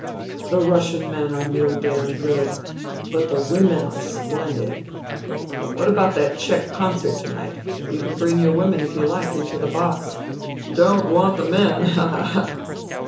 " The Russian men are no damned good. But the women are splendid ! What about that Czech concert to night ? You can bring your women if you like into the box. Don't want the men. Ha ! ha ! ha